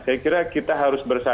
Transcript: saya kira kita harus bersama